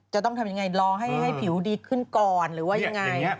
จะต้องทำยังไงรอให้ผิวดีขึ้นก่อนหรือว่ายังไง